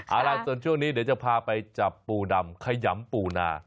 เอาล่ะส่วนช่วงนี้เดี๋ยวจะพาไปจับปูดำขยำปูนา